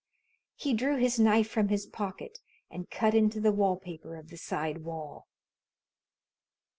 He drew his knife from his pocket and cut into the wall paper of the side wall.